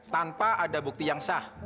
tanpa ada bukti yang sah